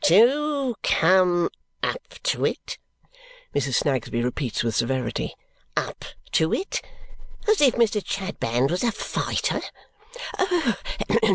"To come up to it!" Mrs. Snagsby repeats with severity. "Up to it! As if Mr. Chadband was a fighter!"